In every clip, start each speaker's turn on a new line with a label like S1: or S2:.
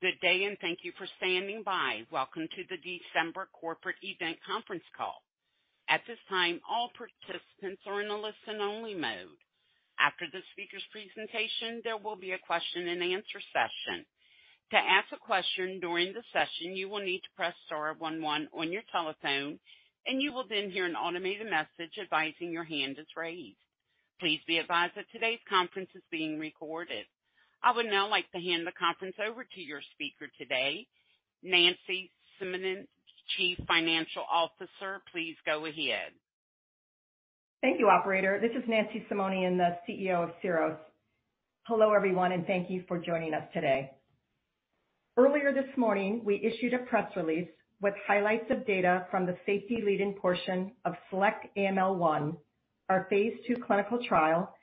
S1: Good day, and thank you for standing by. Welcome to the December corporate event conference call. At this time, all participants are in a listen-only mode. After the speaker's presentation, there will be a question-and-answer session. To ask a question during the session, you will need to press star 11 on your telephone, and you will then hear an automated message advising your hand is raised. Please be advised that today's conference is being recorded. I would now like to hand the conference over to your speaker today, Nancy Simonian, Chief Executive Officer. Please go ahead.
S2: Thank you, operator. This is Nancy Simonian, the CEO of Syros. Hello, everyone, thank you for joining us today. Earlier this morning, we issued a press release with highlights of data from the safety leading portion of SELECT-AML-1, our phase 2 clinical trial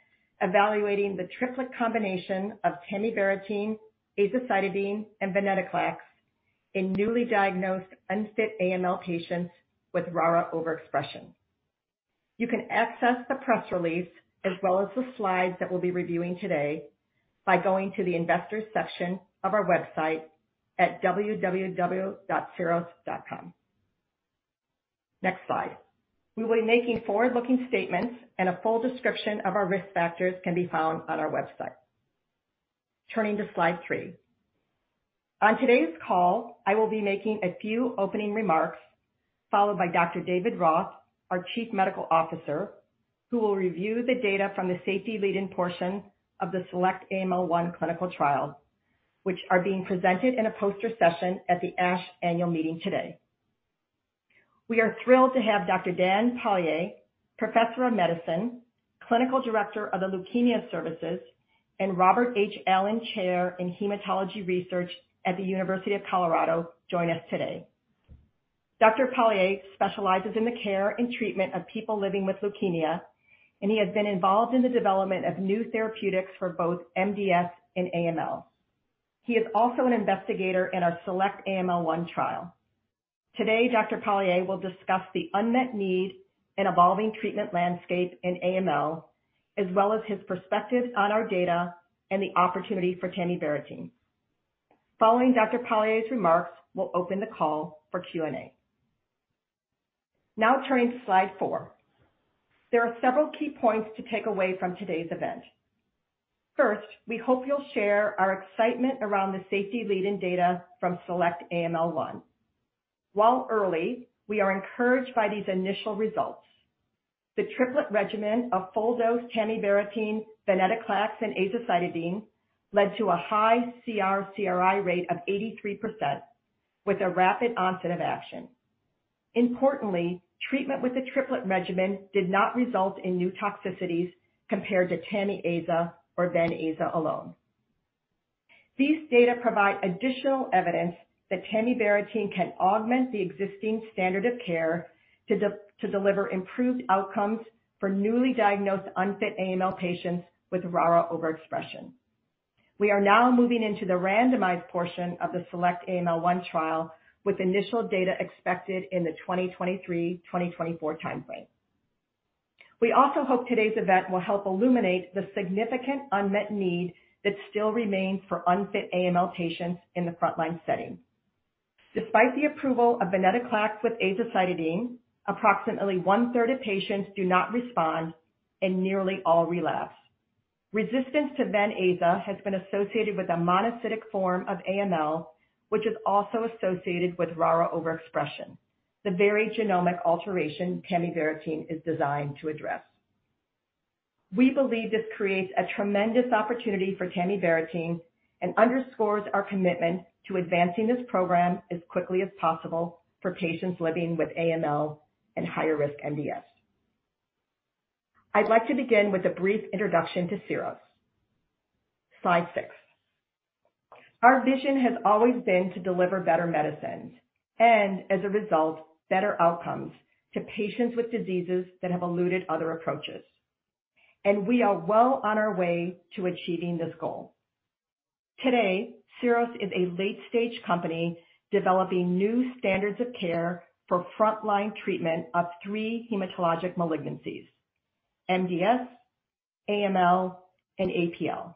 S2: evaluating the triplet combination of tamibarotene, azacitidine, and venetoclax in newly diagnosed unfit AML patients with RARα, overexpression. You can access the press release as well as the slides that we'll be reviewing today by going to the investors section of our website at www.syros.com. Next slide. We will be making forward-looking statements and a full description of our risk factors can be found on our website. Turning to slide 3. On today's call, I will be making a few opening remarks, followed by Dr. David Roth, our Chief Medical Officer, who will review the data from the safety leading portion of the SELECT-AML-1 clinical trial, which are being presented in a poster session at the ASH annual meeting today. We are thrilled to have Dr. Daniel Pollyea, Professor of Medicine, Clinical Director of the Leukemia Services, and Robert H. Allen Chair in Hematology Research at the University of Colorado, join us today. Dr. Daniel Pollyea specializes in the care and treatment of people living with leukemia. He has been involved in the development of new therapeutics for both MDS and AML. He is also an investigator in our SELECT-AML-1 trial. Today, Dr. Daniel Pollyea will discuss the unmet need and evolving treatment landscape in AML, as well as his perspectives on our data and the opportunity for tamibarotene. Following Dr. Daniel Pollyea's remarks, we'll open the call for Q&A. Now turning to slide 4. There are several key points to take away from today's event. First, we hope you'll share our excitement around the safety lead-in data from SELECT-AML-1. While early, we are encouraged by these initial results. The triplet regimen of full-dose tamibarotene, venetoclax, and azacitidine led to a high CR/CRI rate of 83% with a rapid onset of action. Importantly, treatment with the triplet regimen did not result in new toxicities compared to tami-aza or ven-aza alone. These data provide additional evidence that tamibarotene can augment the existing standard of care to deliver improved outcomes for newly diagnosed unfit AML patients with RARα, overexpression. We are now moving into the randomized portion of the SELECT-AML-1 trial, with initial data expected in the 2023/2024 timeframe. We also hope today's event will help illuminate the significant unmet need that still remains for unfit AML patients in the frontline setting. Despite the approval of venetoclax with azacitidine, approximately one-third of patients do not respond and nearly all relapse. Resistance to ven-aza has been associated with a monocytic form of AML, which is also associated with RARA overexpression, the very genomic alteration tamibarotene is designed to address. We believe this creates a tremendous opportunity for tamibarotene and underscores our commitment to advancing this program as quickly as possible for patients living with AML and higher risk MDS. I'd like to begin with a brief introduction to Syros. Slide 6. Our vision has always been to deliver better medicines and, as a result, better outcomes to patients with diseases that have eluded other approaches. We are well on our way to achieving this goal. Today, Syros is a late-stage company developing new standards of care for frontline treatment of three hematologic malignancies, MDS, AML, and APL.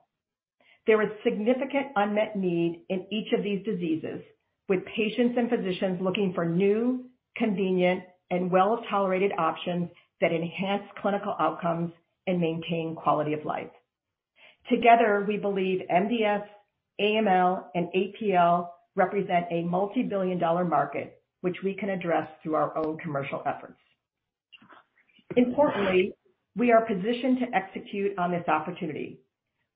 S2: There is significant unmet need in each of these diseases, with patients and physicians looking for new, convenient, and well-tolerated options that enhance clinical outcomes and maintain quality of life. Together, we believe MDS, AML, and APL represent a multibillion-dollar market, which we can address through our own commercial efforts. Importantly, we are positioned to execute on this opportunity.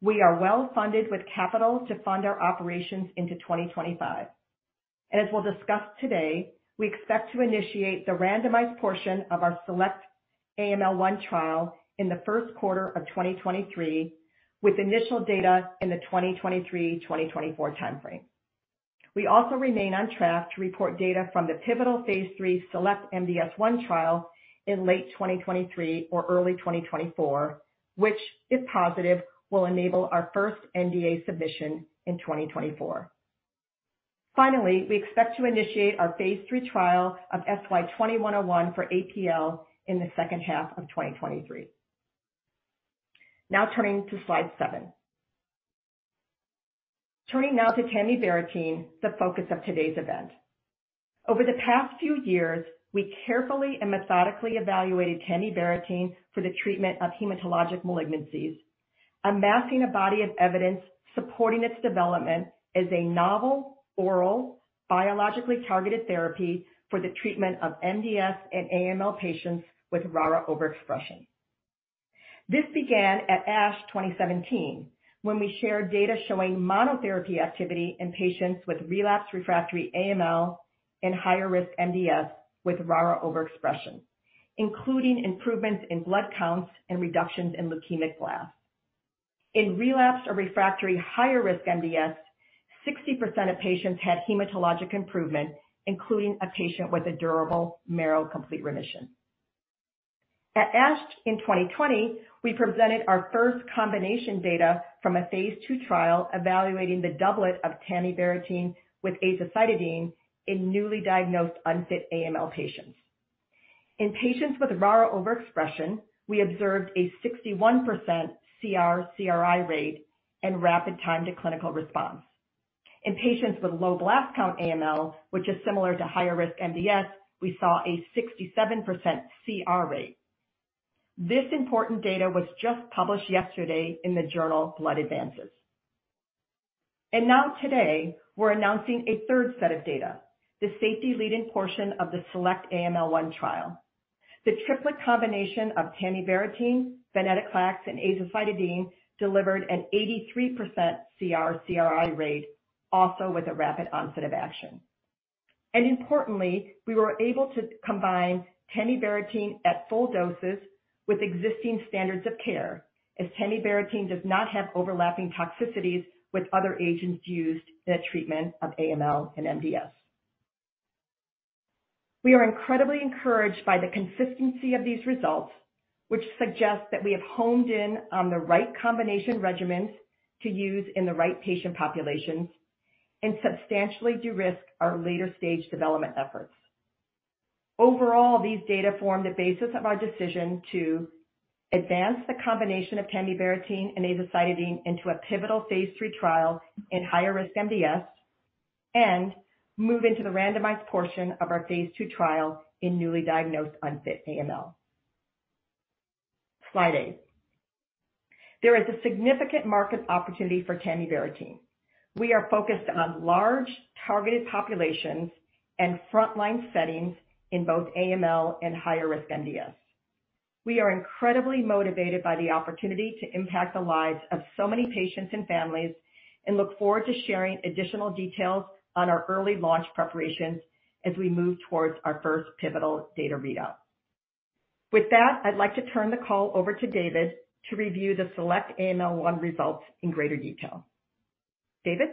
S2: We are well-funded with capital to fund our operations into 2025. As we'll discuss today, we expect to initiate the randomized portion of our SELECT-AML-1 trial in the first quarter of 2023, with initial data in the 2023/2024 timeframe. We also remain on track to report data from the pivotal phase 3 SELECT-MDS-1 trial in late 2023 or early 2024, which, if positive, will enable our first NDA submission in 2024. We expect to initiate our phase 3 trial of SY-2101 for APL in the second half of 2023. Turning to slide 7. Turning now to tamibarotene, the focus of today's event. Over the past few years, we carefully and methodically evaluated tamibarotene for the treatment of hematologic malignancies, amassing a body of evidence supporting its development as a novel oral biologically targeted therapy for the treatment of MDS and AML patients with RARα overexpression. This began at ASH 2017, when we shared data showing monotherapy activity in patients with relapsed refractory AML and higher risk MDS with RARα overexpression, including improvements in blood counts and reductions in leukemic blasts. In relapsed or refractory higher risk MDS, 60% of patients had hematologic improvement, including a patient with a durable marrow complete remission. At ASH in 2020, we presented our first combination data from a phase 2 trial evaluating the doublet of tamibarotene with azacitidine in newly diagnosed unfit AML patients. In patients with RARα overexpression, we observed a 61% CR/CRI rate and rapid time to clinical response. In patients with low blast count AML, which is similar to higher risk MDS, we saw a 67% CR rate. This important data was just published yesterday in the journal Blood Advances. Now today, we're announcing a third set of data, the safety lead-in portion of the SELECT-AML-1 trial. The triplet combination of tamibarotene, venetoclax, and azacitidine delivered an 83% CR/CRI rate, also with a rapid onset of action. Importantly, we were able to combine tamibarotene at full doses with existing standards of care, as tamibarotene does not have overlapping toxicities with other agents used in the treatment of AML and MDS. We are incredibly encouraged by the consistency of these results, which suggest that we have honed in on the right combination regimens to use in the right patient populations and substantially de-risk our later-stage development efforts. Overall, these data form the basis of our decision to advance the combination of tamibarotene and azacitidine into a pivotal phase 3 trial in higher risk MDS and move into the randomized portion of our phase 2 trial in newly diagnosed unfit AML. Slide 8. There is a significant market opportunity for tamibarotene. We are focused on large targeted populations and frontline settings in both AML and higher risk MDS. We are incredibly motivated by the opportunity to impact the lives of so many patients and families and look forward to sharing additional details on our early launch preparations as we move towards our first pivotal data read out. With that, I'd like to turn the call over to David to review the SELECT-AML-1 results in greater detail. David?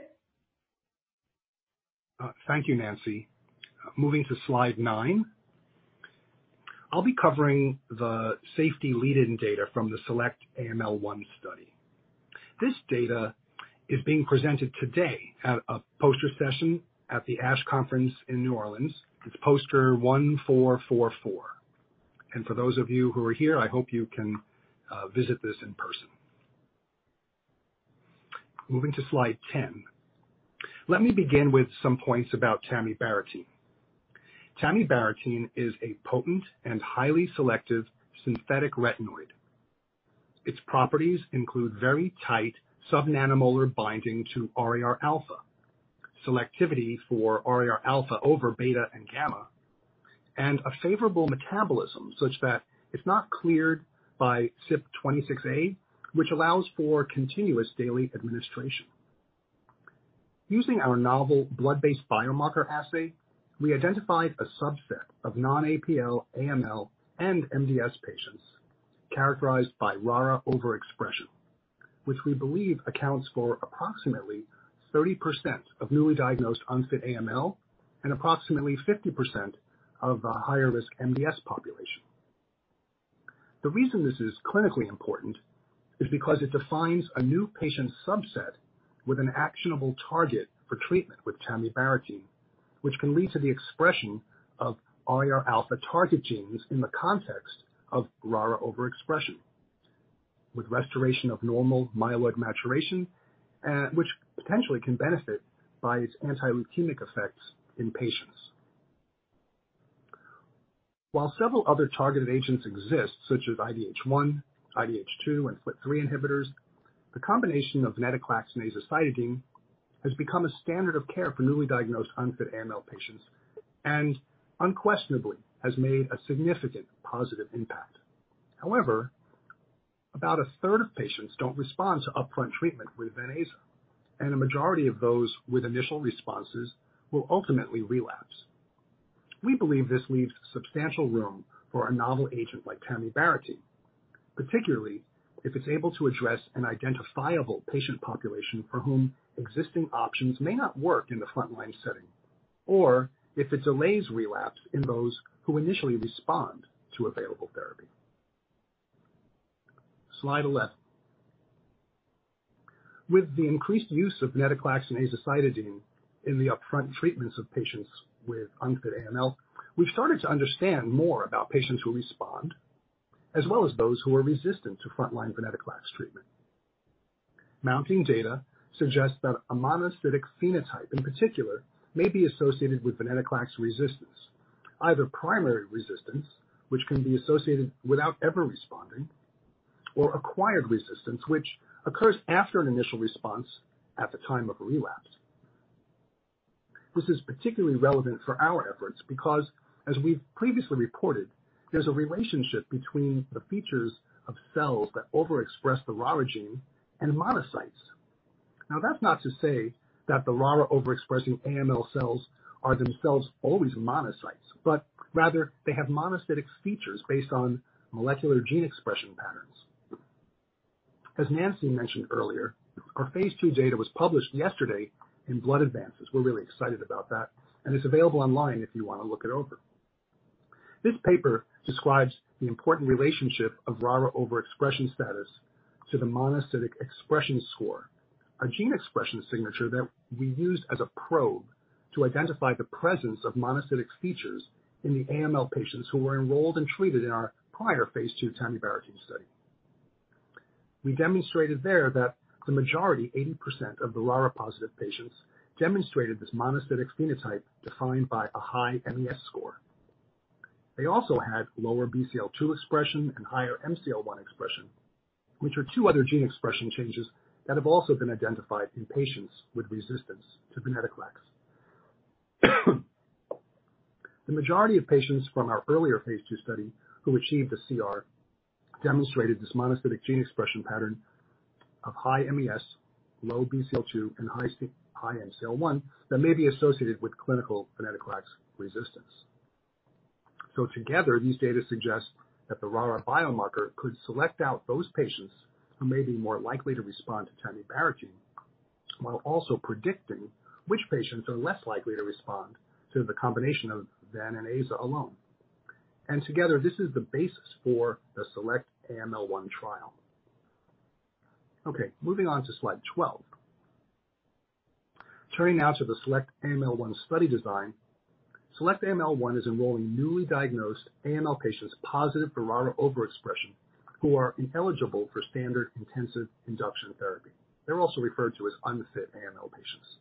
S3: Thank you, Nancy. Moving to slide 9. I'll be covering the safety lead-in data from the SELECT-AML-1 study. This data is being presented today at a poster session at the ASH conference in New Orleans. It's poster 1444. For those of you who are here, I hope you can visit this in person. Moving to slide 10. Let me begin with some points about tamibarotene. Tamibarotene is a potent and highly selective synthetic retinoid. Its properties include very tight sub-nanomolar binding to RARα, selectivity for RARα over beta and gamma, and a favorable metabolism such that it's not cleared by CYP26A, which allows for continuous daily administration. Using our novel blood-based biomarker assay, we identified a subset of non-APL AML and MDS patients characterized by RARA overexpression, which we believe accounts for approximately 30% of newly diagnosed unfit AML and approximately 50% of the higher risk MDS population. The reason this is clinically important is because it defines a new patient subset with an actionable target for treatment with tamibarotene, which can lead to the expression of RAR Alpha target genes in the context of RARA overexpression with restoration of normal myeloid maturation, which potentially can benefit by its anti-leukemic effects in patients. While several other targeted agents exist, such as IDH1, IDH2, and FLT3 inhibitors, the combination of venetoclax and azacitidine has become a standard of care for newly diagnosed unfit AML patients and unquestionably has made a significant positive impact. About a third of patients don't respond to upfront treatment with ven-aza, and a majority of those with initial responses will ultimately relapse. We believe this leaves substantial room for a novel agent like tamibarotene, particularly if it's able to address an identifiable patient population for whom existing options may not work in the frontline setting, or if it delays relapse in those who initially respond to available therapy. Slide 11. With the increased use of venetoclax and azacitidine in the upfront treatments of patients with unfit AML, we've started to understand more about patients who respond, as well as those who are resistant to frontline venetoclax treatment. Mounting data suggests that a monocytic phenotype in particular may be associated with venetoclax resistance. Either primary resistance, which can be associated without ever responding, or acquired resistance, which occurs after an initial response at the time of relapse. This is particularly relevant for our efforts because, as we've previously reported, there's a relationship between the features of cells that overexpress the RARA gene and monocytes. That's not to say that the RARA overexpressing AML cells are themselves always monocytes, but rather they have monocytic features based on molecular gene expression patterns. As Nancy mentioned earlier, our phase 2 data was published yesterday in Blood Advances. We're really excited about that, it's available online if you wanna look it over. This paper describes the important relationship of RARA overexpression status to the monocytic expression score, a gene expression signature that we used as a probe to identify the presence of monocytic features in the AML patients who were enrolled and treated in our prior phase 2 tamibarotene study. We demonstrated there that the majority, 80% of the RARα-positive patients demonstrated this monocytic phenotype defined by a high MES score. They also had lower BCL-2 expression and higher MCL-1 expression, which are two other gene expression changes that have also been identified in patients with resistance to venetoclax. The majority of patients from our earlier phase two study who achieved a CR demonstrated this monocytic gene expression pattern of high MES, low BCL-2, and high MCL-1 that may be associated with clinical venetoclax resistance. Together, these data suggest that the RARα biomarker could select out those patients who may be more likely to respond to tamibarotene while also predicting which patients are less likely to respond to the combination of ven-aza alone. Together, this is the basis for the SELECT-AML-1 trial. Okay, moving on to slide 12. Turning now to the SELECT-AML-1 study design. SELECT-AML-1 is enrolling newly diagnosed AML patients positive for RARα overexpression who are ineligible for standard intensive induction therapy. They're also referred to as unfit AML patients.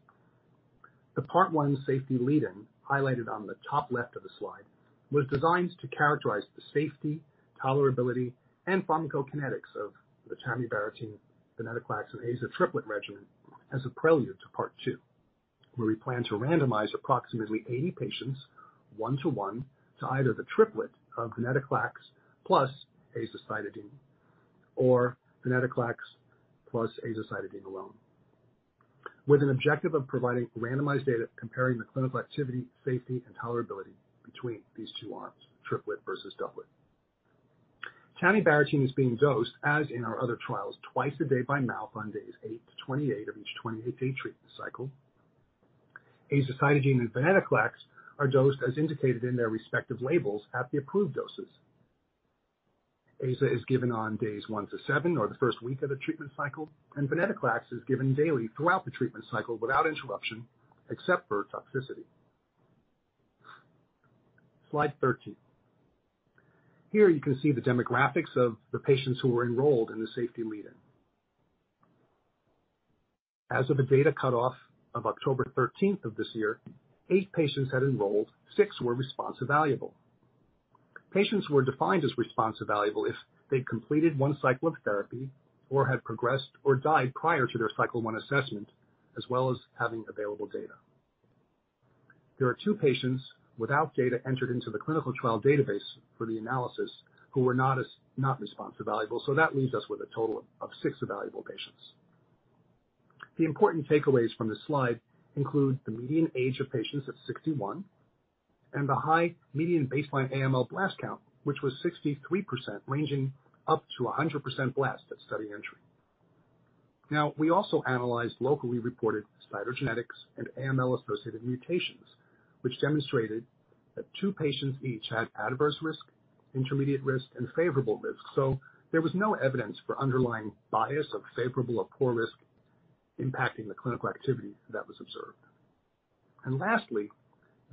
S3: The part 1 safety lead-in, highlighted on the top left of the slide, was designed to characterize the safety, tolerability, and pharmacokinetics of the tamibarotene, Venetoclax, and Aza triplet regimen as a prelude to part 2, where we plan to randomize approximately 80 patients, 1 to 1, to either the triplet of Venetoclax plus azacitidine or Venetoclax plus azacitidine alone, with an objective of providing randomized data comparing the clinical activity, safety, and tolerability between these two arms, triplet versus doublet. tamibarotene is being dosed, as in our other trials, twice a day by mouth on days 8-28 of each 28-day treatment cycle. Azacitidine and venetoclax are dosed as indicated in their respective labels at the approved doses. Aza is given on days one to seven or the first week of a treatment cycle, and venetoclax is given daily throughout the treatment cycle without interruption, except for toxicity. Slide 13. Here you can see the demographics of the patients who were enrolled in the safety lead-in. As of the data cutoff of October thirteenth of this year, eight patients had enrolled. Six were response evaluable. Patients were defined as response evaluable if they completed one cycle of therapy or had progressed or died prior to their cycle one assessment, as well as having available data. There are two patients without data entered into the clinical trial database for the analysis who were not not response evaluable, so that leaves us with a total of six evaluable patients. The important takeaways from this slide include the median age of patients at 61 and the high median baseline AML blast count, which was 63%, ranging up to 100% blast at study entry. We also analyzed locally reported cytogenetics and AML-associated mutations, which demonstrated that 2 patients each had adverse risk, intermediate risk, and favorable risk. There was no evidence for underlying bias of favorable or poor risk impacting the clinical activity that was observed. Lastly,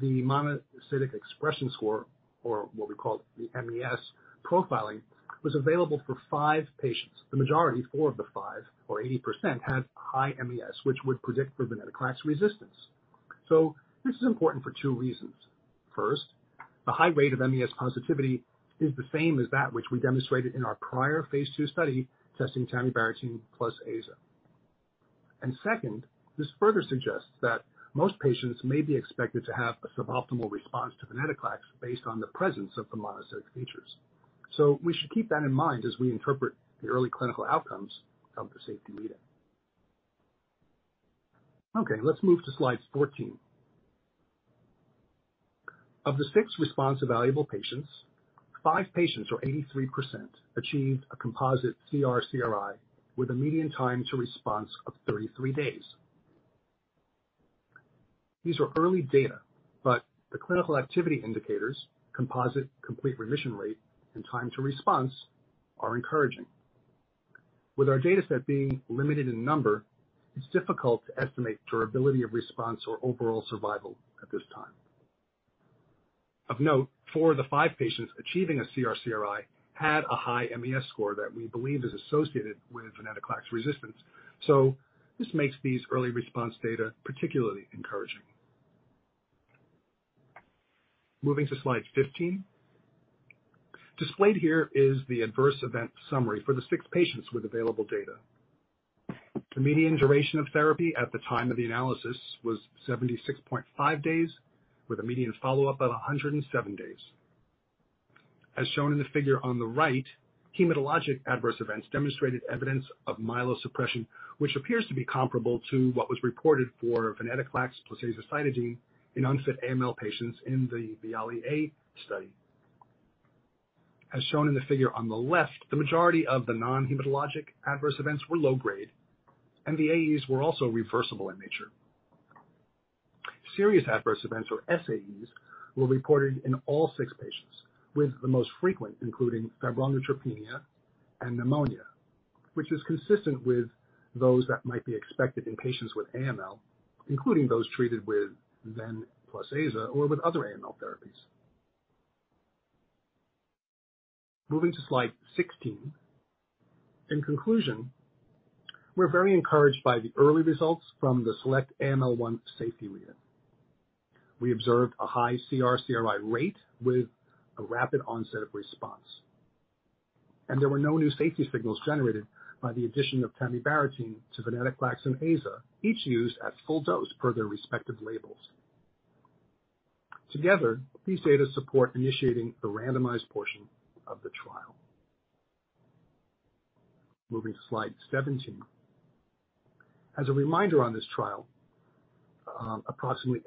S3: the monocytic expression score, or what we call the MES profiling, was available for 5 patients. The majority, 4 of the 5 or 80%, had high MES, which would predict for venetoclax resistance. This is important for 2 reasons. First, the high rate of MES positivity is the same as that which we demonstrated in our prior phase 2 study testing tamibarotene plus Aza. Second, this further suggests that most patients may be expected to have a suboptimal response to venetoclax based on the presence of the monocytic features. We should keep that in mind as we interpret the early clinical outcomes from the safety lead-in. Let's move to slide 14. Of the 6 response evaluable patients, 5 patients or 83% achieved a composite CR/CRI with a median time to response of 33 days. These are early data, the clinical activity indicators, composite complete remission rate, and time to response are encouraging. With our data set being limited in number, it's difficult to estimate durability of response or overall survival at this time. Of note, 4 of the 5 patients achieving a CR/CRI had a high MES score that we believe is associated with venetoclax resistance. This makes these early response data particularly encouraging. Moving to slide 15. Displayed here is the adverse event summary for the six patients with available data. The median duration of therapy at the time of the analysis was 76.5 days, with a median follow-up of 107 days. As shown in the figure on the right, hematologic adverse events demonstrated evidence of myelosuppression, which appears to be comparable to what was reported for venetoclax plus azacitidine in unfit AML patients in the VIALE-A study. As shown in the figure on the left, the majority of the non-hematologic adverse events were low grade, and the AEs were also reversible in nature. Serious adverse events, or SAEs, were reported in all six patients, with the most frequent including febrile neutropenia and pneumonia, which is consistent with those that might be expected in patients with AML, including those treated with ven plus aza or with other AML therapies. Moving to slide 16. In conclusion, we're very encouraged by the early results from the SELECT-AML-1 safety read. We observed a high CR/CRI rate with a rapid onset of response. There were no new safety signals generated by the addition of tamibarotene to venetoclax and aza, each used at full dose per their respective labels. Together, these data support initiating the randomized portion of the trial. Moving to slide 17. As a reminder on this slide, approximately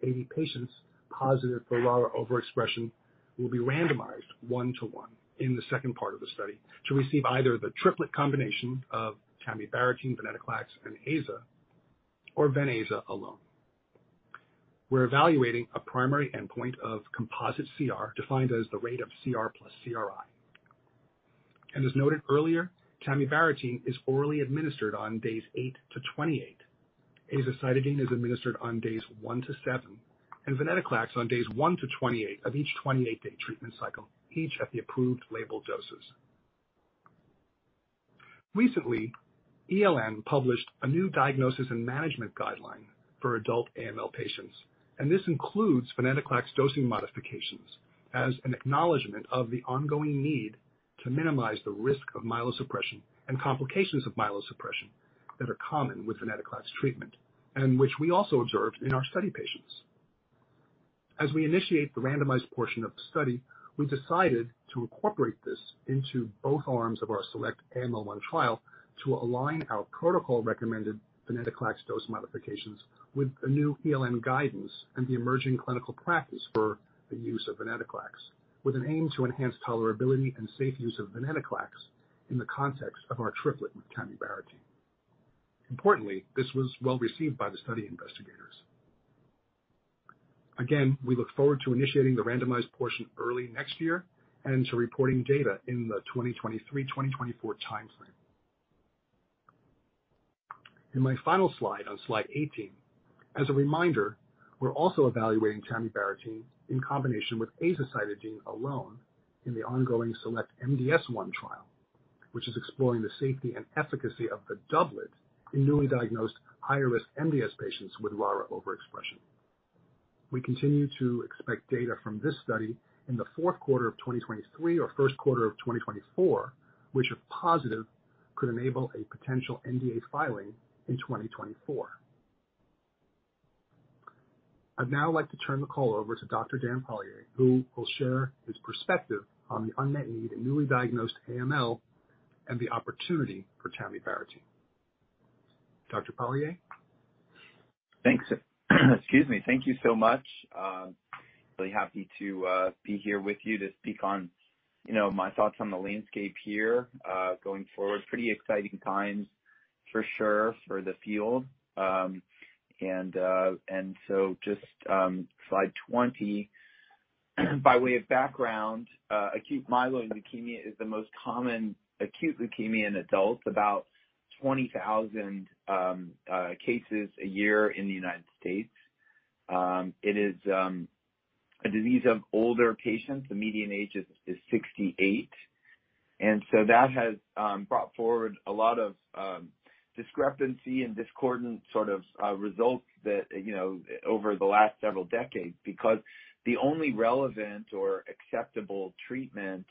S3: 80 patients positive for RARA overexpression will be randomized 1 to 1 in the second part of the study to receive either the triplet combination of tamibarotene, Venetoclax, and aza or ven-aza alone. We're evaluating a primary endpoint of composite CR, defined as the rate of CR + CRI. As noted earlier, tamibarotene is orally administered on days 8 to 28. Azacitidine is administered on days 1 to 7, and venetoclax on days 1 to 28 of each 28-day treatment cycle, each at the approved label doses. Recently, ELN published a new diagnosis and management guideline for adult AML patients, and this includes venetoclax dosing modifications as an acknowledgment of the ongoing need to minimize the risk of myelosuppression and complications of myelosuppression that are common with venetoclax treatment and which we also observed in our study patients. As we initiate the randomized portion of the study, we've decided to incorporate this into both arms of our SELECT-AML-1 trial to align our protocol-recommended venetoclax dose modifications with the new ELN guidance and the emerging clinical practice for the use of venetoclax, with an aim to enhance tolerability and safe use of venetoclax in the context of our triplet with tamibarotene. Importantly, this was well-received by the study investigators. We look forward to initiating the randomized portion early next year and to reporting data in the 2023/2024 timeframe. In my final slide, on slide 18, as a reminder, we're also evaluating tamibarotene in combination with azacitidine alone in the ongoing SELECT-MDS-1 trial, which is exploring the safety and efficacy of the doublet in newly diagnosed higher-risk MDS patients with RARα overexpression. We continue to expect data from this study in the fourth quarter of 2023 or first quarter of 2024, which if positive, could enable a potential NDA filing in 2024. I'd now like to turn the call over to Dr. Dan Pollyea who will share his perspective on the unmet need in newly diagnosed AML and the opportunity for tamibarotene. Dr. Dan Pollyea?
S4: Thanks. Excuse me. Thank you so much. really happy to be here with you to speak on, you know, my thoughts on the landscape here going forward. Pretty exciting times, for sure, for the field. Just slide 20. By way of background, acute myeloid leukemia is the most common acute leukemia in adults, about 20,000 cases a year in the United States. It is a disease of older patients. The median age is 68. That has brought forward a lot of discrepancy and discordant sort of results that, you know, over the last several decades, because the only relevant or acceptable treatment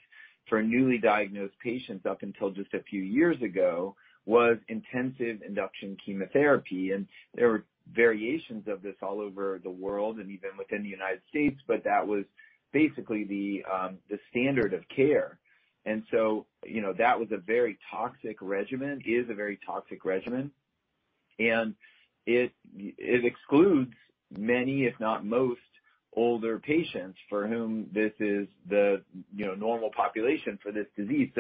S4: for newly diagnosed patients up until just a few years ago was intensive induction chemotherapy. There were variations of this all over the world and even within the United States, but that was basically the standard of care. You know, that was a very toxic regimen, is a very toxic regimen. It excludes many, if not most, older patients for whom this is the, you know, normal population for this disease.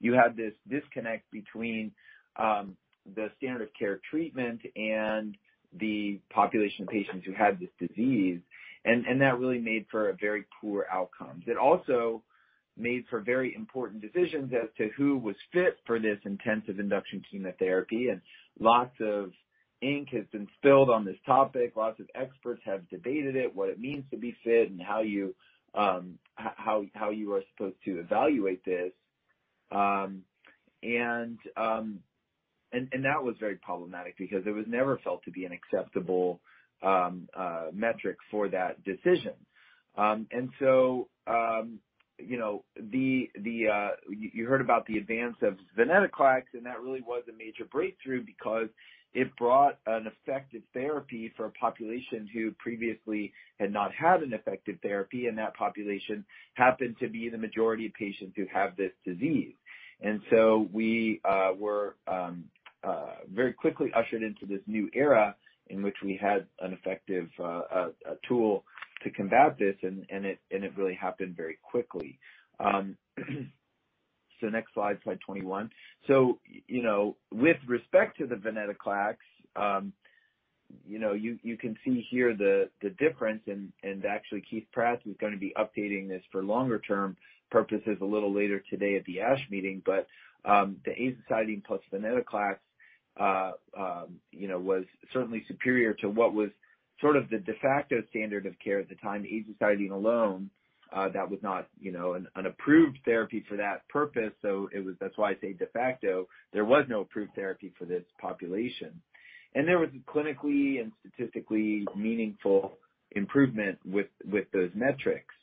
S4: You have this disconnect between the standard of care treatment and the population of patients who have this disease, and that really made for a very poor outcome. It also made for very important decisions as to who was fit for this intensive induction chemotherapy. Lots of ink has been spilled on this topic. Lots of experts have debated it, what it means to be fit, and how you, how you are supposed to evaluate this. That was very problematic because it was never felt to be an acceptable metric for that decision. You know, you heard about the advance of venetoclax, and that really was a major breakthrough because it brought an effective therapy for a population who previously had not had an effective therapy, and that population happened to be the majority of patients who have this disease. We were very quickly ushered into this new era in which we had an effective tool to combat this, and it really happened very quickly. Next slide 21. You know, with respect to the venetoclax, you know, you can see here the difference. Actually, Keith Pratz, who's gonna be updating this for longer term purposes a little later today at the ASH meeting. The azacitidine plus venetoclax, you know, was certainly superior to what was sort of the de facto standard of care at the time, the azacitidine alone. That was not, you know, an approved therapy for that purpose. That's why I say de facto. There was no approved therapy for this population. There was a clinically and statistically meaningful improvement with those metrics.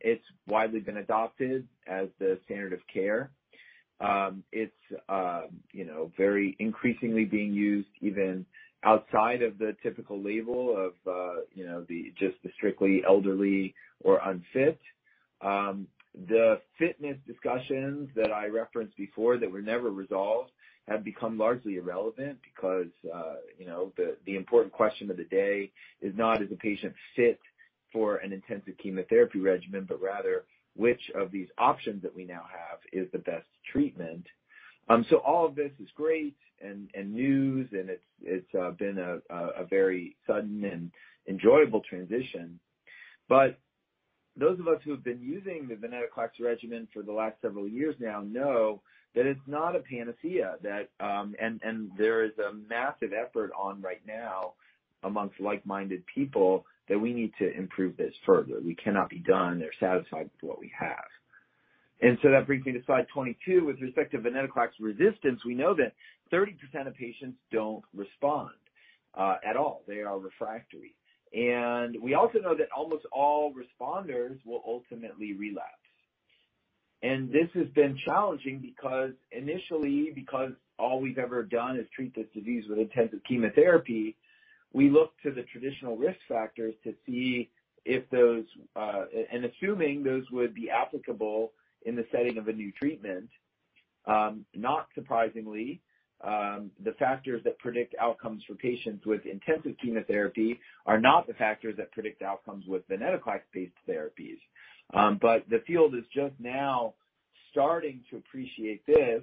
S4: It's widely been adopted as the standard of care. It's, you know, very increasingly being used even outside of the typical label of, you know, the just the strictly elderly or unfit. The fitness discussions that I referenced before that were never resolved have become largely irrelevant because, you know, the important question of the day is not is a patient fit for an intensive chemotherapy regimen, but rather which of these options that we now have is the best treatment. All of this is great and news, and it's been a very sudden and enjoyable transition. Those of us who have been using the venetoclax regimen for the last several years now know that it's not a panacea. There is a massive effort on right now amongst like-minded people that we need to improve this further. We cannot be done or satisfied with what we have. That brings me to slide 22. With respect to venetoclax resistance, we know that 30% of patients don't respond at all. They are refractory. We also know that almost all responders will ultimately relapse. This has been challenging because initially, because all we've ever done is treat this disease with intensive chemotherapy, we look to the traditional risk factors to see if those, and assuming those would be applicable in the setting of a new treatment, not surprisingly, the factors that predict outcomes for patients with intensive chemotherapy are not the factors that predict outcomes with venetoclax-based therapies. The field is just now starting to appreciate this.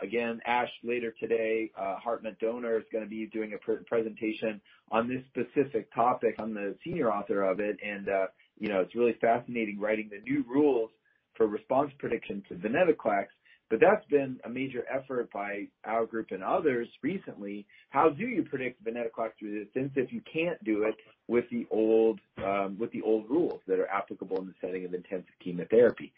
S4: Again, ASH later today, Hartmut Döhner is gonna be doing a pre-presentation on this specific topic. I'm the senior author of it, you know, it's really fascinating writing the new rules for response prediction to venetoclax, but that's been a major effort by our group and others recently. How do you predict venetoclax resistance if you can't do it with the old, with the old rules that are applicable in the setting of intensive chemotherapy?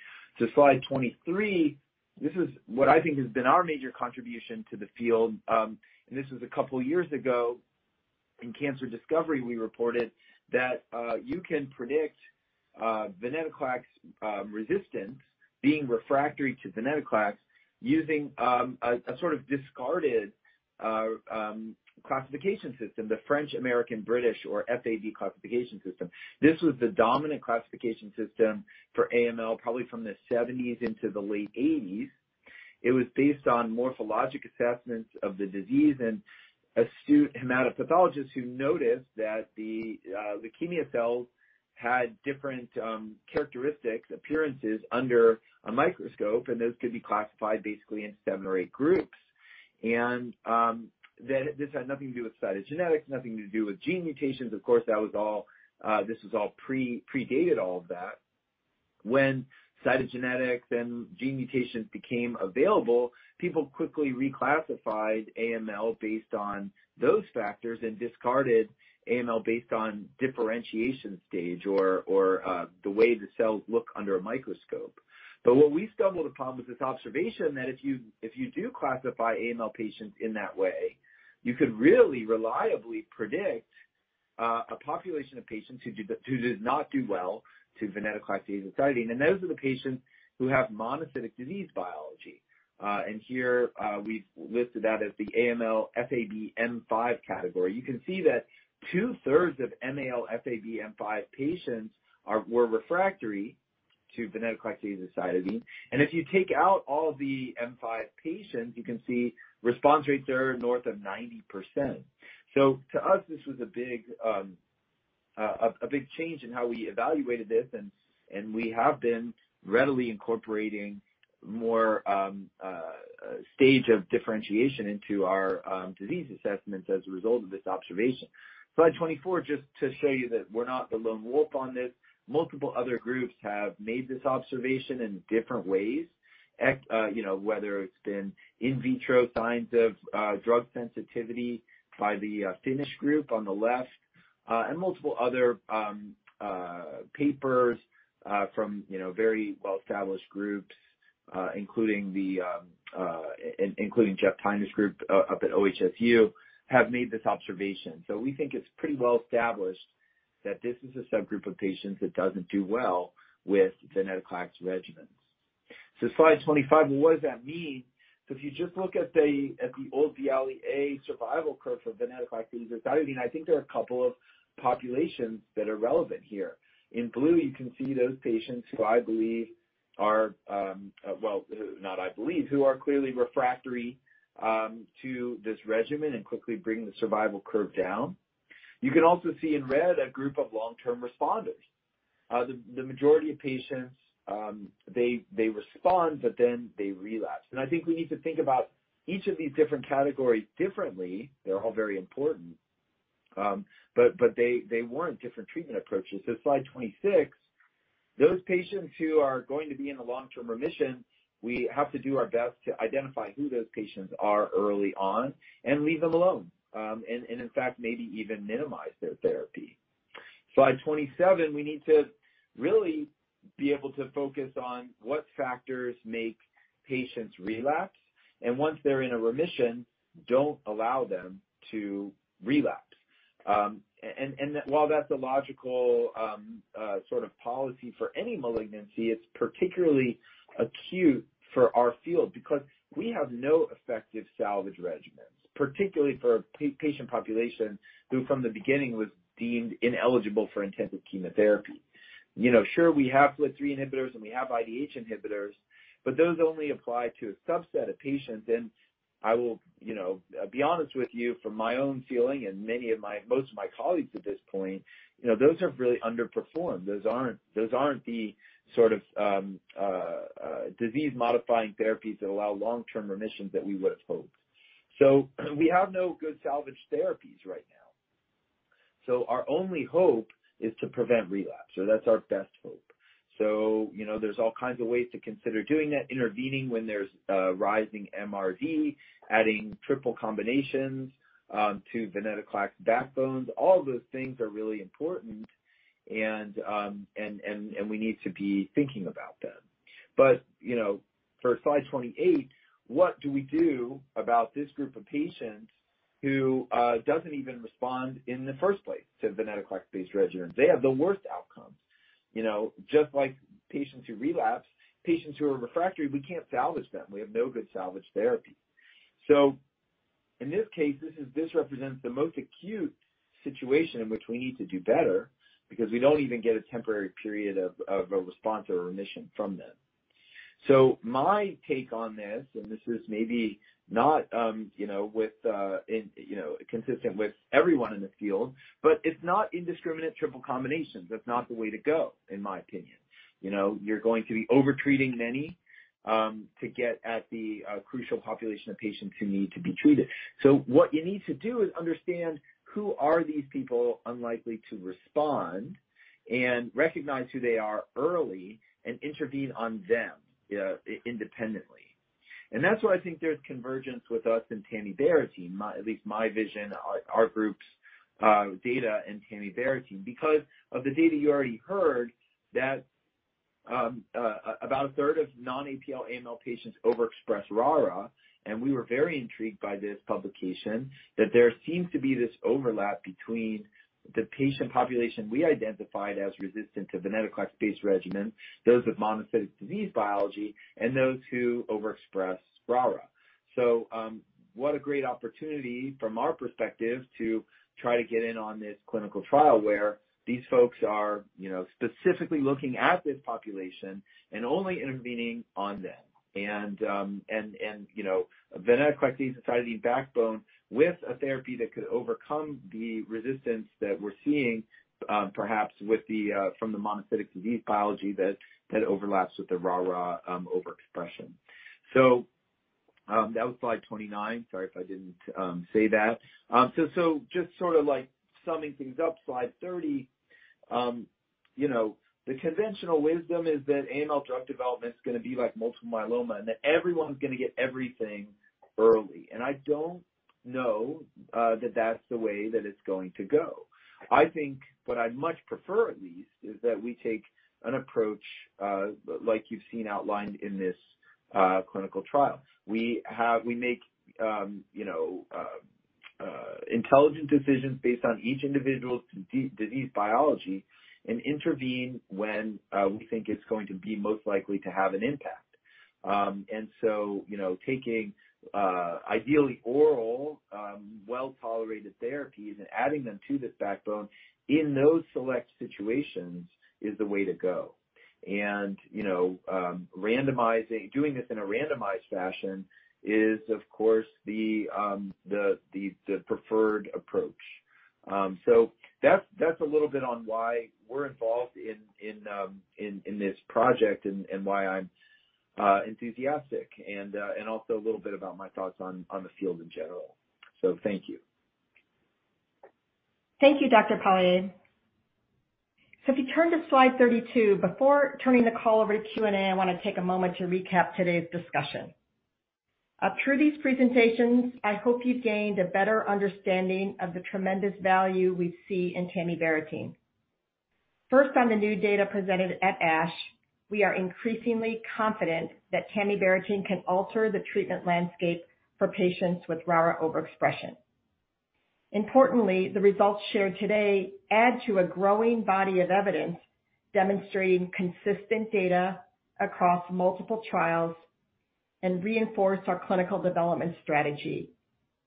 S4: Slide 23. This is what I think has been our major contribution to the field. This was a couple years ago in Cancer Discovery, we reported that you can predict venetoclax resistance being refractory to venetoclax using a sort of discarded classification system, the French-American-British, or FAB classification system. This was the dominant classification system for AML, probably from the 70s into the late 80s. It was based on morphologic assessments of the disease and astute hematopathologists who noticed that the leukemia cells had different characteristics, appearances under a microscope, and those could be classified basically in seven or eight groups. That this had nothing to do with cytogenetics, nothing to do with gene mutations. Of course, that was all, this was all pre-predated all of that. When cytogenetics and gene mutations became available, people quickly reclassified AML based on those factors and discarded AML based on differentiation stage or, the way the cells look under a microscope. What we stumbled upon was this observation that if you, if you do classify AML patients in that way, you could really reliably predict a population of patients who do not do well tovenetoclax-azacitidine, and those are the patients who have monocytic disease biology. Here, we've listed that as the AML-FAB M5 category. You can see that 2/3 of AML-FAB M5 patients were refractory to venetoclax and cytarabine. If you take out all the M5 patients, you can see response rates are north of 90%. To us, this was a big change in how we evaluated this and we have been readily incorporating more stage of differentiation into our disease assessments as a result of this observation. Slide 24, just to show you that we're not the lone wolf on this, multiple other groups have made this observation in different ways. You know, whether it's been in vitro signs of drug sensitivity by the Finnish group on the left, and multiple other papers from, you know, very well-established groups, including Jeff Tyner's group up at OHSU, have made this observation. We think it's pretty well established that this is a subgroup of patients that doesn't do well with venetoclax regimens. Slide 25, what does that mean? If you just look at the old VIALE-A survival curve for venetoclax and cytarabine, I think there are a couple of populations that are relevant here. In blue, you can see those patients who I believe are, well, not I believe, who are clearly refractory to this regimen and quickly bring the survival curve down. You can also see in red a group of long-term responders. The majority of patients, they respond, but then they relapse. I think we need to think about each of these different categories differently. They're all very important, but they warrant different treatment approaches. Slide 26, those patients who are going to be in a long-term remission, we have to do our best to identify who those patients are early on and leave them alone, and in fact, maybe even minimize their therapy. Slide 27, we need to really be able to focus on what factors make patients relapse, and once they're in a remission, don't allow them to relapse. While that's a logical, sort of policy for any malignancy, it's particularly acute for our field because we have no effective salvage regimens, particularly for a patient population who from the beginning was deemed ineligible for intensive chemotherapy. You know, sure, we have FLT3 inhibitors, and we have IDH inhibitors, but those only apply to a subset of patients. I will, you know, be honest with you, from my own feeling and most of my colleagues at this point, you know, those have really underperformed. Those aren't the sort of disease-modifying therapies that allow long-term remissions that we would've hoped. We have no good salvage therapies right now. Our only hope is to prevent relapse, or that's our best hope. You know, there's all kinds of ways to consider doing that, intervening when there's a rising MRD, adding triple combinations, to venetoclax backbones. All of those things are really important and we need to be thinking about them. You know, for slide 28, what do we do about this group of patients who doesn't even respond in the first place to venetoclax-based regimens? They have the worst outcomes. You know, just like patients who relapse, patients who are refractory, we can't salvage them. We have no good salvage therapy. In this case, this represents the most acute situation in which we need to do better because we don't even get a temporary period of a response or a remission from them. My take on this, and this is maybe not, you know, with, in, you know, consistent with everyone in the field, but it's not indiscriminate triple combinations. That's not the way to go, in my opinion. You know, you're going to be over-treating many, to get at the crucial population of patients who need to be treated. What you need to do is understand who are these people unlikely to respond and recognize who they are early and intervene on them, independently. That's why I think there's convergence with us and Tammy Behrent's team. At least my vision, our group's data, and Tammy Behrent team. Because of the data you already heard, that, about a third of non-APL AML patients overexpress RARA, and we were very intrigued by this publication, that there seems to be this overlap between the patient population we identified as resistant to venetoclax-based regimens, those with monocytic disease biology, and those who overexpress RARA. What a great opportunity from our perspective to try to get in on this clinical trial where these folks are, you know, specifically looking at this population and only intervening on them. And, you know, venetoclax and cytarabine backbone with a therapy that could overcome the resistance that we're seeing, perhaps with the from the monocytic disease biology that overlaps with the RARA overexpression. That was slide 29. Sorry if I didn't say that. So just sort of like summing things up, slide 30, you know, the conventional wisdom is that AML drug development is gonna be like multiple myeloma, and that everyone's gonna get everything early. I don't know that that's the way that it's going to go. I think what I'd much prefer at least is that we take an approach like you've seen outlined in this clinical trial. We make, you know, intelligent decisions based on each individual's disease biology and intervene when we think it's going to be most likely to have an impact. You know, taking ideally oral, well-tolerated therapies and adding them to this backbone in those select situations is the way to go. You know, doing this in a randomized fashion is, of course, the preferred approach. That's a little bit on why we're involved in this project and why I'm enthusiastic and also a little bit about my thoughts on the field in general. Thank you.
S2: Thank you, Dr. Pollyea. If you turn to slide 32, before turning the call over to Q&A, I wanna take a moment to recap today's discussion. Up through these presentations, I hope you've gained a better understanding of the tremendous value we see in tamibarotene. First, on the new data presented at ASH, we are increasingly confident that tamibarotene can alter the treatment landscape for patients with RARA overexpression. Importantly, the results shared today add to a growing body of evidence demonstrating consistent data across multiple trials and reinforce our clinical development strategy,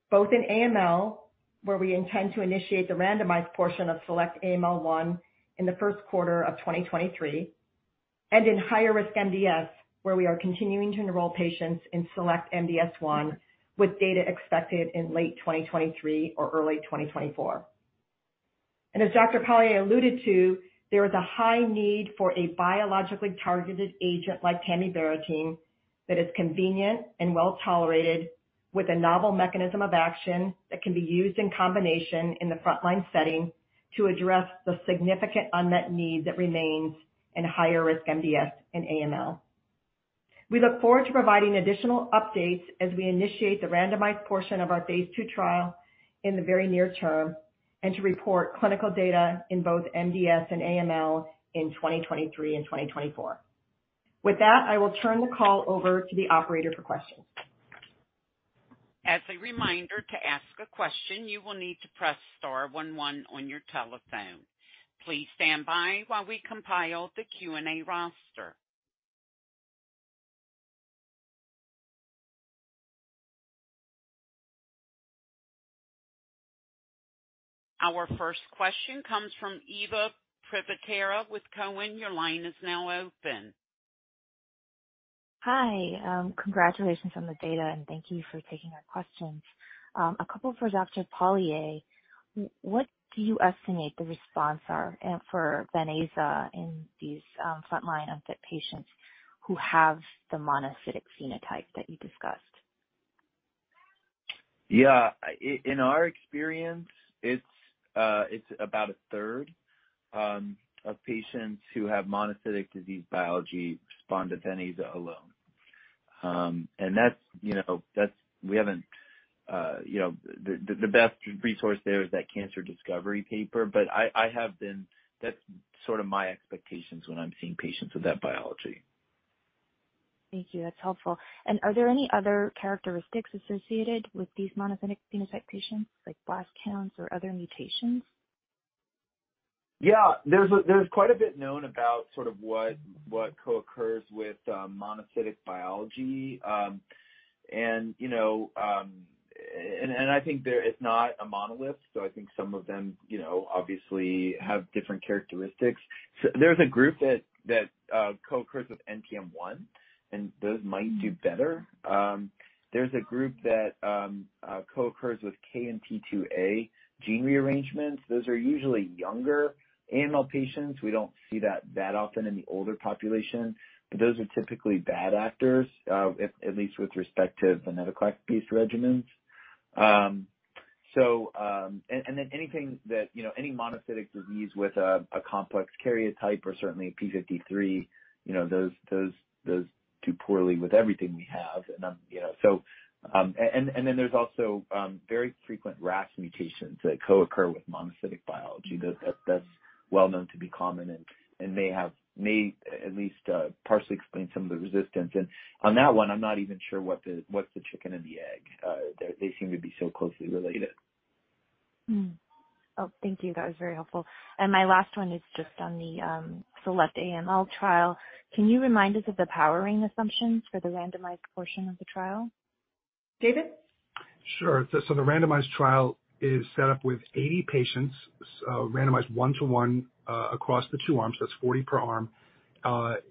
S2: both in AML, where we intend to initiate the randomized portion of SELECT-AML-1 in the first quarter of 2023, and in higher-risk MDS, where we are continuing to enroll patients in SELECT-MDS-1 with data expected in late 2023 or early 2024. As Dr. Pollack alluded to, there is a high need for a biologically targeted agent like tamibarotene that is convenient and well-tolerated with a novel mechanism of action that can be used in combination in the frontline setting to address the significant unmet need that remains in higher risk MDS and AML. We look forward to providing additional updates as we initiate the randomized portion of our phase 2 trial in the very near term and to report clinical data in both MDS and AML in 2023 and 2024. With that, I will turn the call over to the operator for questions.
S1: As a reminder, to ask a question, you will need to press star one one on your telephone. Please stand by while we compile the Q&A roster. Our first question comes from Eva Privitera with TD Cowen. Your line is now open.
S5: Hi, congratulations on the data. Thank you for taking our questions. A couple for Dr. Pollack. What do you estimate the response are for ven-aza in these frontline unfit patients who have the monocytic phenotype that you discussed?
S4: Yeah. In our experience, it's about a third of patients who have monocytic disease biology respond to ven-aza alone. And that's, you know, that's we haven't, you know, the best resource there is that Cancer Discovery paper. That's sort of my expectations when I'm seeing patients with that biology.
S5: Thank you. That's helpful. Are there any other characteristics associated with these monocytic phenotype patients, like blast counts or other mutations?
S4: Yeah. There's quite a bit known about sort of what co-occurs with monocytic biology. You know, I think there is not a monolith. I think some of them, you know, obviously have different characteristics. There's a group that co-occurs with NPM1, and those might do better. There's a group that co-occurs with KMT2A gene rearrangements. Those are usually younger AML patients. We don't see that often in the older population, those are typically bad actors, at least with respect to venetoclax-based regimens. Then anything that, you know, any monocytic disease with a complex karyotype or certainly a TP53, you know, those do poorly with everything we have. I'm, you know. There's also very frequent RAS mutations that co-occur with monocytic biology. That's well known to be common and may have at least partially explain some of the resistance. On that one, I'm not even sure what the, what's the chicken and the egg. They seem to be so closely related.
S5: Oh, thank you. That was very helpful. My last one is just on the SELECT AML trial. Can you remind us of the powering assumptions for the randomized portion of the trial?
S2: David?
S3: Sure. The randomized trial is set up with 80 patients, randomized 1 to 1 across the two arms. That's 40 per arm.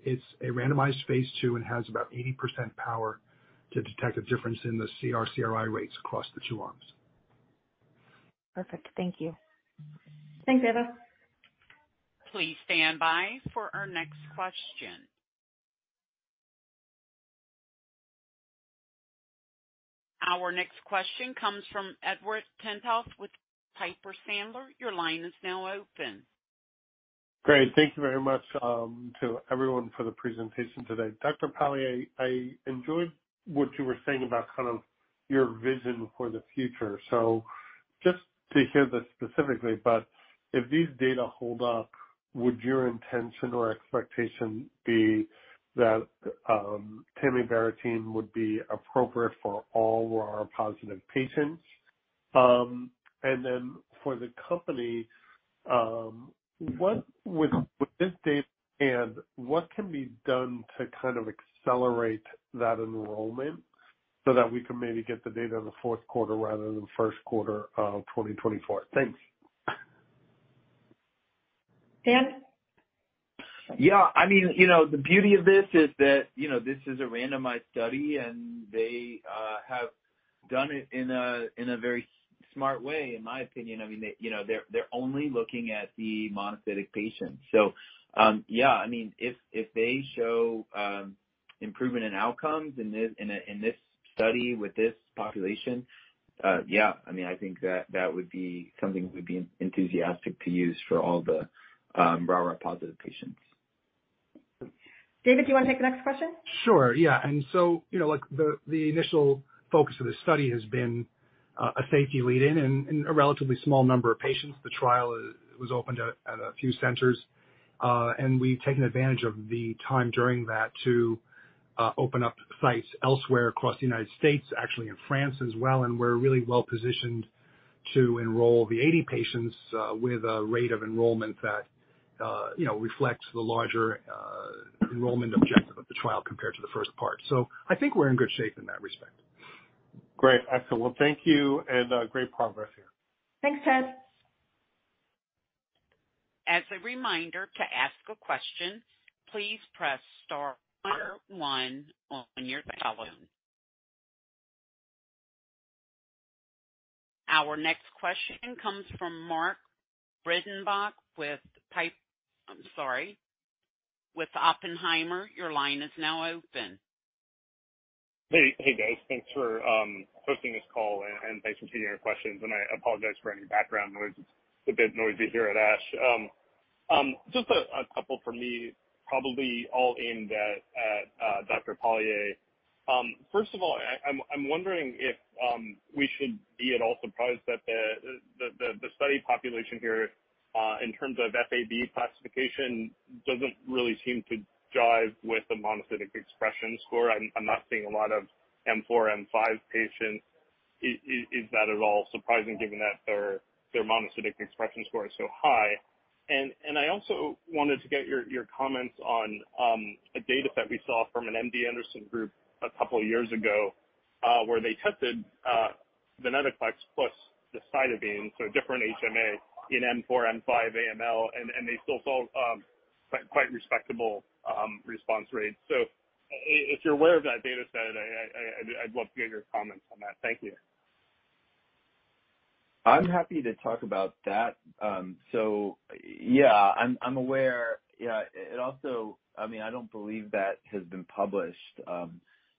S3: It's a randomized phase 2 and has about 80% power to detect a difference in the CR CRI rates across the two arms.
S5: Perfect. Thank you.
S2: Thanks, Eva.
S1: Please stand by for our next question. Our next question comes from Ted Tenthoff with Piper Sandler. Your line is now open.
S6: Great. Thank you very much, to everyone for the presentation today. Dr. Pollyea, I enjoyed what you were saying about kind of your vision for the future. Just to hear this specifically, but if these data hold up, would your intention or expectation be that tamibarotene would be appropriate for all RARA-positive patients? Then for the company, what with this data and what can be done to kind of accelerate that enrollment so that we can maybe get the data in the fourth quarter rather than first quarter of 2024? Thanks. Dan?
S4: I mean, you know, the beauty of this is that, you know, this is a randomized study, and they have done it in a very smart way, in my opinion. I mean, they, you know, they're only looking at the monocytic patients. I mean, if they show improvement in outcomes in this, in a, in this study with this population, I mean, I think that that would be something we'd be enthusiastic to use for all the RARA-positive patients.
S2: David, do you wanna take the next question?
S3: Sure. Yeah. You know, like, the initial focus of this study has been a safety lead in a relatively small number of patients. The trial it was opened at a few centers, and we've taken advantage of the time during that to open up sites elsewhere across the United States, actually in France as well, and we're really well-positioned to enroll the 80 patients with a rate of enrollment that, you know, reflects the larger enrollment objective of the trial compared to the first part. I think we're in good shape in that respect.
S6: Great. Excellent. Thank you, and great progress here. Thanks, Ted.
S1: As a reminder, to ask a question, please press star 1 on your telephone. Our next question comes from Mark Breidenbach with Oppenheimer. Your line is now open.
S7: Hey, guys. Thanks for hosting this call and thanks for taking our questions. I apologize for any background noise. It's a bit noisy here at ASH. Just a couple from me, probably all aimed at Dr. Pollack. First of all, I'm wondering if we should be at all surprised that the study population here in terms of FAB classification doesn't really seem to jive with the monocytic expression score. I'm not seeing a lot of M4, M5 patients. Is that at all surprising given that their monocytic expression score is so high? I also wanted to get your comments on a data set we saw from an MD Anderson group a couple years ago, where they tested venetoclax plus the cytarabine, so a different HMA, in M4, M5 AML, they still saw quite respectable response rates. If you're aware of that data set, I'd love to get your comments on that. Thank you.
S4: I'm happy to talk about that. Yeah, I'm aware. Yeah. It also... I mean, I don't believe that has been published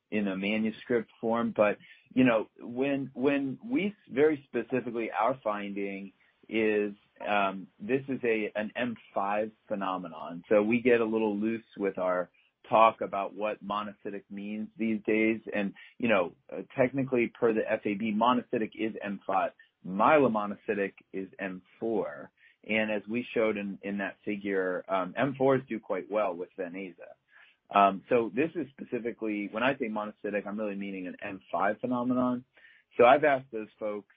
S4: in a manuscript form. You know, when we very specifically, our finding is, this is an M5 phenomenon, we get a little loose with our talk about what monocytic means these days. You know, technically, per the FAB, monocytic is M5. Myelomonocytic is M4. As we showed in that figure, M4s do quite well with ven-aza. This is specifically, when I say monocytic, I'm really meaning an M5 phenomenon. I've asked those folks,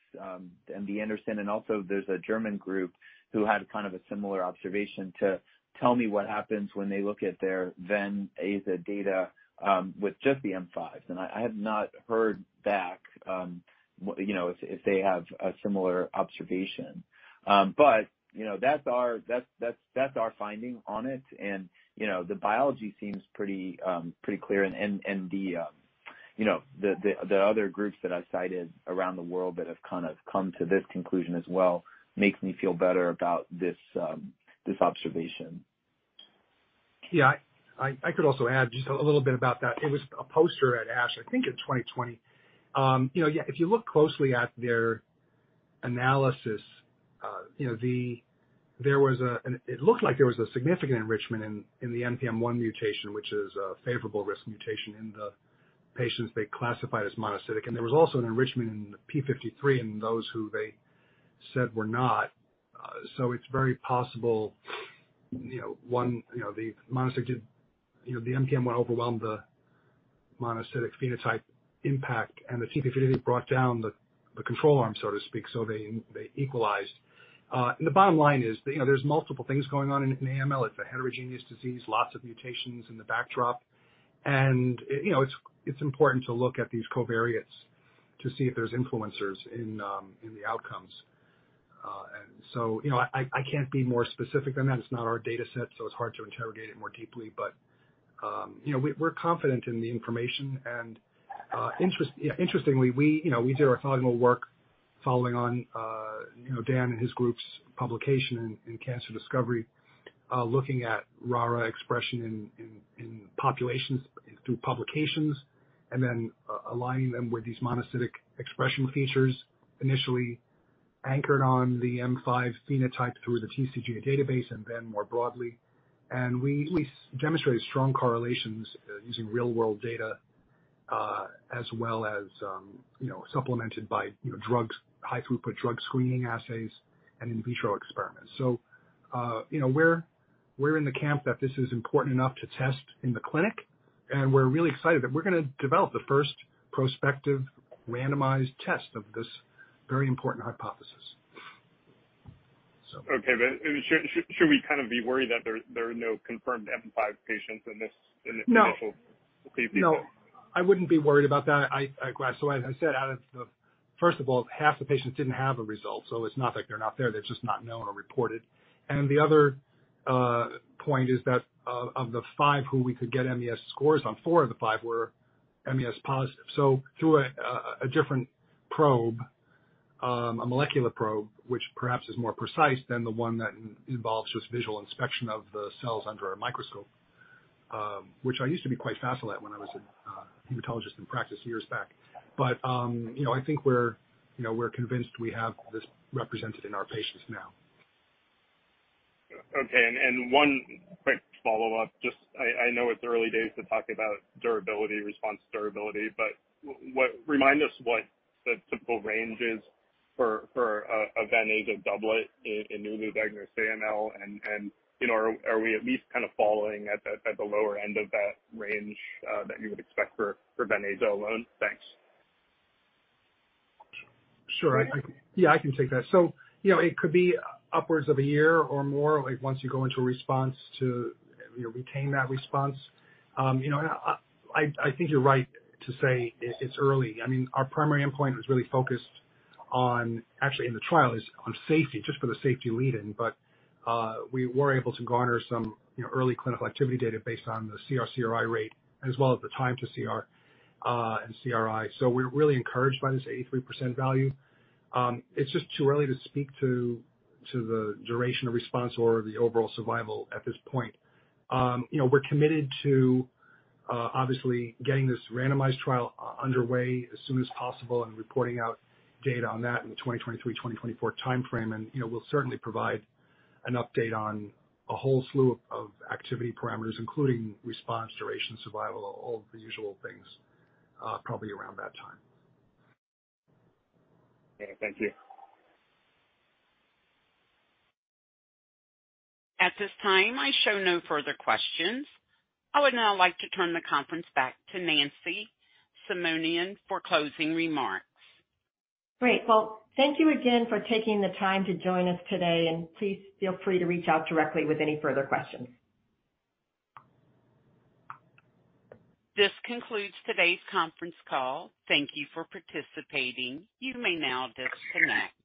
S4: MD Anderson, and also there's a German group who had kind of a similar observation, to tell me what happens when they look at their ven-aza data with just the M5, and I have not heard back what, you know, if they have a similar observation. You know, that's our finding on it. You know, the biology seems pretty clear. And the, you know, the other groups that I've cited around the world that have kind of come to this conclusion as well makes me feel better about this observation.
S3: Yeah. I could also add just a little bit about that. It was a poster at ASH, I think in 2020. you know, yeah, if you look closely at their analysis, you know, there was a, it looked like there was a significant enrichment in the NPM1 mutation, which is a favorable risk mutation in the patients they classified as monocytic, and there was also an enrichment in the P53 in those who they said were not. It's very possible, you know, one, you know, the monocytic did, you know, the NPM overwhelmed the monocytic phenotype impact, and the TP53 brought down the control arm, so to speak, so they equalized. The bottom line is, you know, there's multiple things going on in AML. It's a heterogeneous disease, lots of mutations in the backdrop. You know, it's important to look at these covariates to see if there's influencers in the outcomes. You know, I can't be more specific than that. It's not our data set, so it's hard to interrogate it more deeply. You know, we're confident in the information. Interestingly, we, you know, we did our own work following on, you know, Dan and his group's publication in Cancer Discovery, looking at RARα expression in populations through publications and then aligning them with these monocytic expression features initially anchored on the M5 phenotype through the TCGA database and then more broadly. We demonstrated strong correlations, using real-world data, as well as, you know, supplemented by, you know, drugs, high-throughput drug screening assays and in vitro experiments. You know, we're in the camp that this is important enough to test in the clinic. We're really excited that we're gonna develop the first prospective randomized test of this very important hypothesis.
S7: Okay. Should we kind of be worried that there are no confirmed M5 patients in this?
S3: No.
S7: Initial complete.
S3: No, I wouldn't be worried about that. First of all, half the patients didn't have a result, so it's not like they're not there, they're just not known or reported. The other point is that of the 5 who we could get MES scores on, 4 of the 5 were MES positive. Through a different probe, a molecular probe, which perhaps is more precise than the one that involves just visual inspection of the cells under a microscope, which I used to be quite facile at when I was a hematologist in practice years back. You know, I think we're, you know, we're convinced we have this represented in our patients now.
S7: Okay. One quick follow-up. Just I know it's early days to talk about durability, response durability, but what remind us what the typical range is for a venetoclax doublet in newly diagnosed AML and, you know, are we at least kind of following at the lower end of that range that you would expect for venetoclax alone? Thanks.
S3: Sure. I, yeah, I can take that. You know, it could be upwards of a year or more, like once you go into a response to, you know, retain that response. You know, I think you're right to say it's early. I mean, our primary endpoint was really focused on, actually in the trial is on safety, just for the safety lead-in. We were able to garner some, you know, early clinical activity data based on the CR CRI rate, as well as the time to CR and CRI. We're really encouraged by this 83% value. It's just too early to speak to the duration of response or the overall survival at this point. You know, we're committed to obviously getting this randomized trial underway as soon as possible and reporting out data on that in the 2023/2024 timeframe. You know, we'll certainly provide an update on a whole slew of activity parameters, including response duration, survival, all the usual things, probably around that time.
S7: Okay, thank you.
S1: At this time, I show no further questions. I would now like to turn the conference back to Nancy Simonian for closing remarks.
S2: Great. Well, thank you again for taking the time to join us today, and please feel free to reach out directly with any further questions.
S1: This concludes today's conference call. Thank you for participating. You may now disconnect.